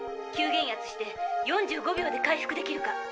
急減圧して４５秒で回復できるか。